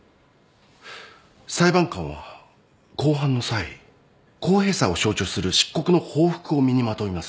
裁判官は公判の際公平さを象徴する漆黒の法服を身にまといます。